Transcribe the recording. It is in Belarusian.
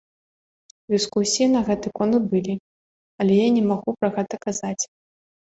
Дыскусіі на гэты конт былі, але я не магу пра гэта казаць.